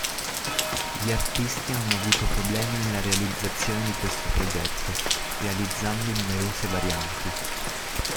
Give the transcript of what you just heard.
Gli artisti hanno avuto problemi nella realizzazione di questo progetto, realizzando numerose varianti.